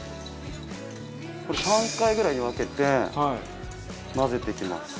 これ３回ぐらいに分けて混ぜていきます。